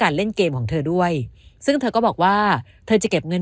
เล่นเกมของเธอด้วยซึ่งเธอก็บอกว่าเธอจะเก็บเงิน